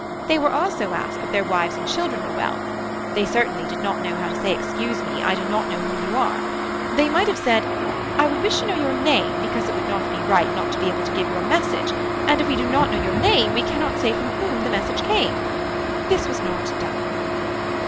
They were also asked if their wives and children were well. They certainly did not know how to say excuse me I do not know who you are. They might have said I would wish to know your name because it would not be right not to be able to give your message and if we do not know your name we cannot say from whom the message came. This was not done.